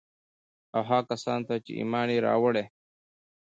او هغو کسان ته چي ايمان ئې راوړى